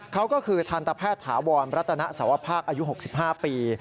เขาก็คือทันตแพทย์ถาวรรัตนสวภาคอายุ๖๕ปี